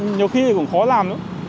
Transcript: nhiều khi thì cũng khó làm nữa